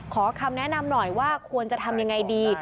ขอคำแนะนำหน่อยว่าควรจะทำยังไงดี